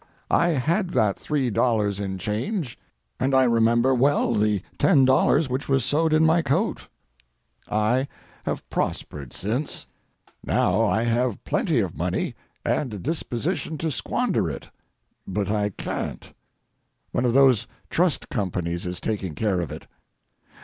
I had that $3 in change, and I remember well the $10 which was sewed in my coat. I have prospered since. Now I have plenty of money and a disposition to squander it, but I can't. One of those trust companies is taking care of it.